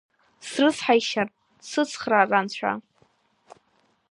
Срыцҳаишьар, дсыцхраар Анцәа…